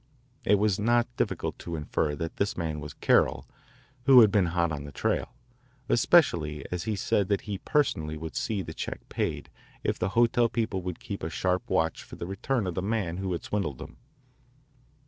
It was not difficult to infer that this man was Carroll who had been hot on the trail, especially as he said that he personally would see the check paid if the hotel people would keep a sharp watch for the return of the man who had swindled them.